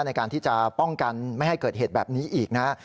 ในการที่จะป้องกันไม่ให้เกิดเหตุแบบนี้อีกนะครับ